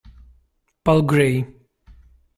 Paul Gray